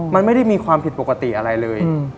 มันไม่ได้มีความผิดปกติอะไรเลย